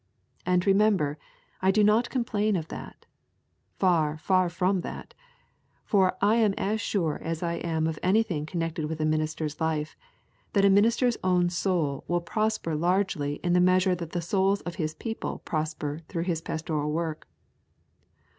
And remember, I do not complain of that. Far, far from that. For I am as sure as I am of anything connected with a minister's life, that a minister's own soul will prosper largely in the measure that the souls of his people prosper through his pastoral work.